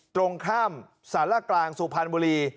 ตรงข้ามสารกลางสุพรรณบุรี